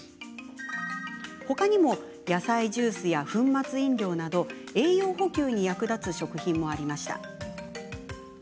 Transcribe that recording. ほかにも、野菜ジュースや粉末飲料など、栄養補給に役立つ食品もありました。